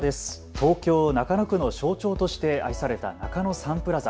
東京中野区の象徴として愛された中野サンプラザ。